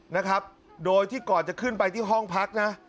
นะครับโดยที่ก่อนจะขึ้นไปที่ห้องพักนะ